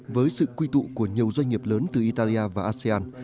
với sự quy tụ của nhiều doanh nghiệp lớn từ italia và asean